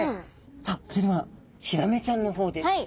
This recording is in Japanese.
さあそれではヒラメちゃんの方です。